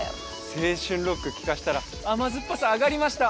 青春ロック聴かせたら甘酸っぱさ上がりました。